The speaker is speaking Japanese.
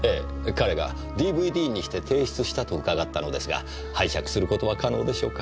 彼がＤＶＤにして提出したと伺ったのですが拝借することは可能でしょうか？